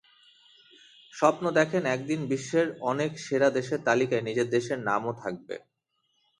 স্বপ্ন দেখেন একদিন বিশ্বের অনেক সেরা দেশের তালিকায় নিজের দেশের নামও থাকবে।